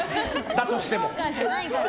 だとしても。